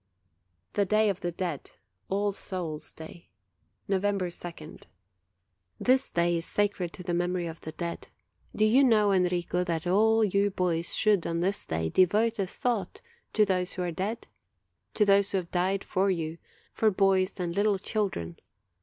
THE DAY OF THE DEAD (All Soul's Day) November 2d. This day is sacred to the memory of the dead. Do you know, Enrico, that all you boys should, on this day, devote a thought to those who are dead? to those who have died for you, for boys and little children.